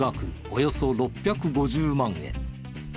およそ６５０万円。